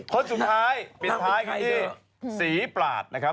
คนสุดท้ายเป็นท้ายคือที่สีปลาดนะครับ